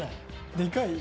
でかい？